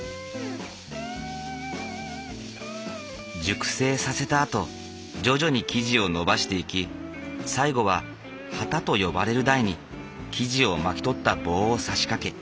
熟成させたあと徐々に生地を延ばしていき最後は機と呼ばれる台に生地を巻き取った棒をさしかけ延ばしていく。